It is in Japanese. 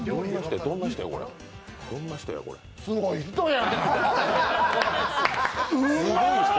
すごい人や！